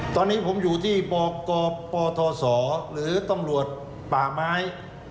ตอนนี้ผมอยู่ที่ปกปทศหรือตำรวจป่าไม้